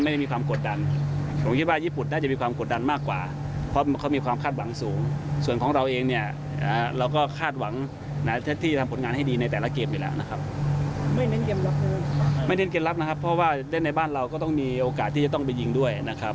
เน้นสูงอยู่แล้วนะครับเพราะว่าเล่นในบ้านเราก็ต้องมีโอกาสที่จะต้องไปยิงด้วยนะครับ